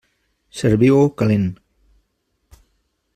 Serviu-ho calent.